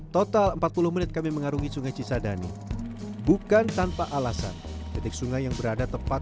total empat puluh menit kami mengarungi sungai cisadani bukan tanpa alasan detik sungai yang berada tepat